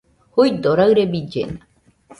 Juido, raɨre billena